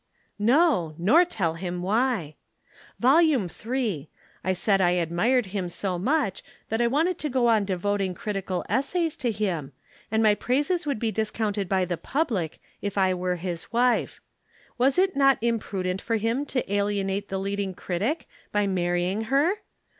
"No, nor tell him why. Volume Three: I said I admired him so much that I wanted to go on devoting critical essays to him, and my praises would be discounted by the public if I were his wife. Was it not imprudent for him to alienate the leading critic by marrying her?